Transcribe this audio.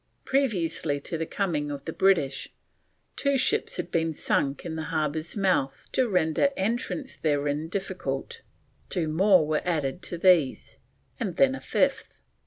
Previously to the coming of the British, two ships had been sunk in the harbour's mouth to render entrance therein difficult; two more were added to these, and then a fifth.